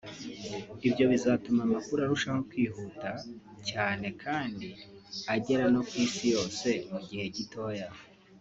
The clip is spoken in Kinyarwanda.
Ibyo bizatuma amakuru arushaho kwihuta cyane kandi agera no ku isi yose mu gihe gitoya